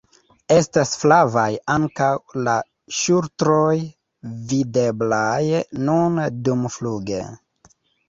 Estas flavaj ankaŭ la ŝultroj, videblaj nun dumfluge.